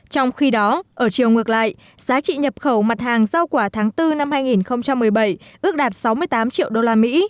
trong khi đó ở chiều ngược lại giá trị nhập khẩu mặt hàng giao quả tháng bốn năm hai nghìn một mươi bảy ước đạt sáu mươi tám triệu usd